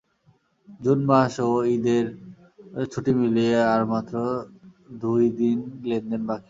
June মাস ও ঈদের ছুটি মিলিয়ে আর মাত্র দুই দিন লেনদেন বাকি।